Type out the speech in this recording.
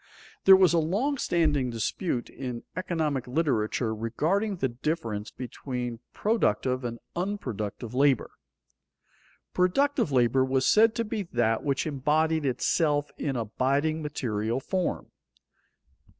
There was a long standing dispute in economic literature regarding the difference between productive and unproductive labor. Productive labor was said to be that which embodied itself in abiding material form.